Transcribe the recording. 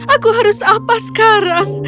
aku harus apa sekarang